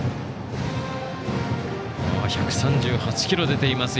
１３８キロ出ています。